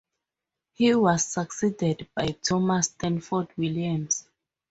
He was succeeded by Thomas Stafford Williams.